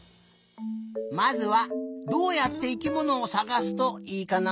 まずはどうやって生きものをさがすといいかな？